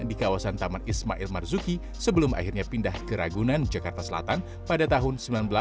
di kawasan taman ismail marzuki sebelum akhirnya pindah ke ragunan jakarta selatan pada tahun seribu sembilan ratus sembilan puluh